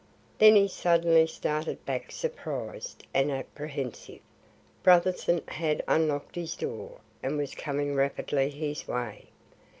Then he suddenly started back surprised and apprehensive. Brotherson had unlocked his door, and was coming rapidly his way.